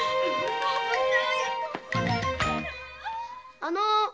あの！